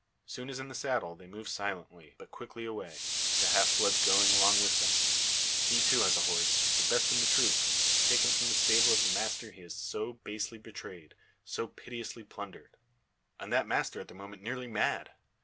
Soon as in the saddle they move silently, but quickly away; the half blood going along with them. He, too, has a horse, the best in the troop taken from the stable of the master he has so basely betrayed, so pitilessly plundered. And that master at the moment nearly mad!